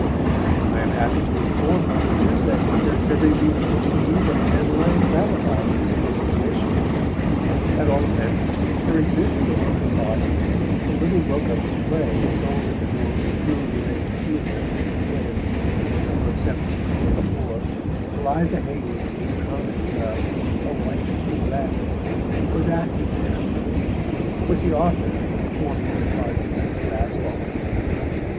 I am happy to inform my readers that there is every reason to believe that Ann Lang gratified this innocent wish. At all events, there exists among her volumes the little book of the play sold at the doors of Drury Lane Theatre, when, in the summer of 1724, Eliza Haywood's new comedy of A Wife to be Lett was acted there, with the author performing in the part of Mrs. Graspall.